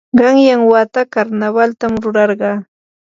qanyan wata karnawaltam rurarqaa.